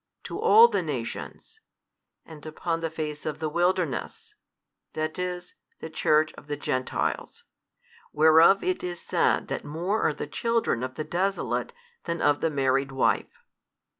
to all the nations, and upon the face of the wilderness, that is the Church of the Gentiles, whereof it is said that more are the children of the desolate than of the married wife.